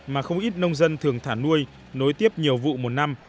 mà không ít nông dân thường thả nuôi nối tiếp nhiều vụ một năm